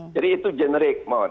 jadi itu generik